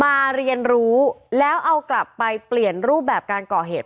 เรียนรู้แล้วเอากลับไปเปลี่ยนรูปแบบการก่อเหตุ